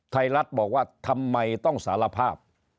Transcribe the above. ไทยรัฐบอกว่าทำไมต้องสารภาพ